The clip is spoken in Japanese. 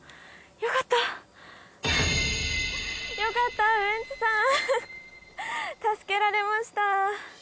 よかったウエンツさん助けられました